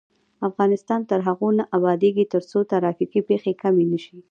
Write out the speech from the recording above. افغانستان تر هغو نه ابادیږي، ترڅو ترافیکي پیښې کمې نشي.